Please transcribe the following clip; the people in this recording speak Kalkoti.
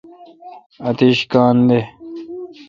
اتیش کاں دے۔